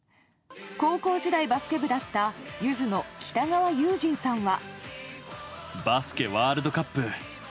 高校時代バスケ部だったゆずの北川悠仁さんは。